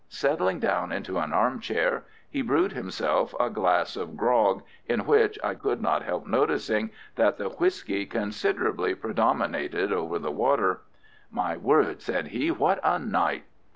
Settling down into an arm chair, he brewed himself a glass of grog, in which I could not help noticing that the whisky considerably predominated over the water. "My word!" said he, "what a night!"